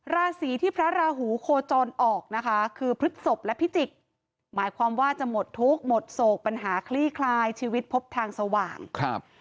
ราศีที่พระราหูโคจรออกนะคะคือพฤศพและพิจิกหมายความว่าจะหมดทุกข์หมดโศกปัญหาคลี่คลายชีวิตพบทางสว่างครับ